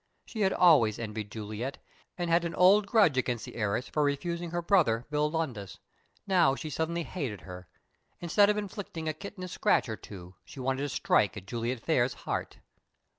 She had always envied Juliet, and had an old grudge against the heiress for refusing her brother, Bill Lowndes. Now she suddenly hated her. Instead of inflicting a kittenish scratch or two, she wanted to strike at Juliet Phayre's heart.